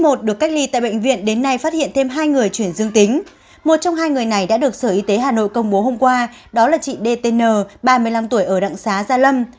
các f một được cách ly tại bệnh viện đến nay phát hiện thêm hai người chuyển dương tính một trong hai người này đã được sở y tế hà nội công bố hôm qua đó là chị dtn ba mươi năm tuổi ở đặng xá gia lâm